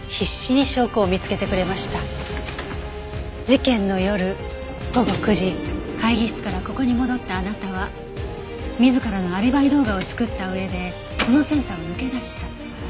事件の夜午後９時会議室からここに戻ったあなたは自らのアリバイ動画を作った上でこのセンターを抜け出した。